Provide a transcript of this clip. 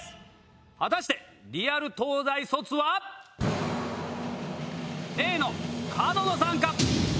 果たしてリアル東大卒は⁉Ａの門野さんか？